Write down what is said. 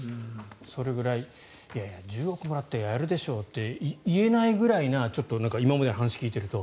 それくらいいやいや、１０億もらったらやるでしょって言えないぐらいな今までのお話を聞いていると